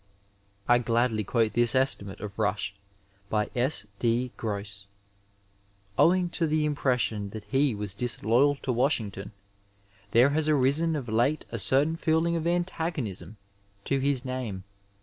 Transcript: I gladly quote this estimate of Bush by S. D. Oross. Owing to the impression that he was disloyal to Washington, there has arisen of late a certain feeling of antagonism to his name.